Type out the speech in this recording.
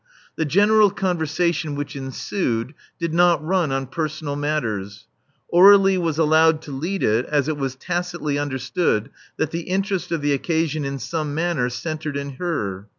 The general con versation which ensued did not run on personal matters. Aur^lie was allowed to lead it, as it was tacitly understood that the interest of the occasion in some manner centred in her.